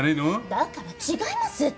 だから違いますって！